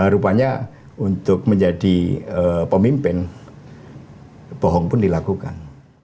rupanya untuk menjadi pemimpin bohong pun dilakukan